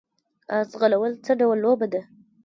اس ځغلول څه ډول لوبه ده؟